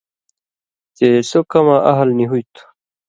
چے سو کماں اہل نی ہُوئ تُھو